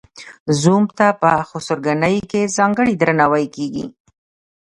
زوم ته په خسرګنۍ کې ځانګړی درناوی کیږي.